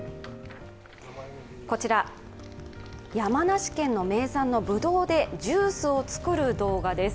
こちら、山梨県の名産のぶどうでジュースを作る動画です。